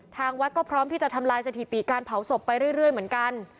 ทางวัดก็พร้อมที่จะทำลายสถิติการเผาศพไปเรื่อยเหมือนกัน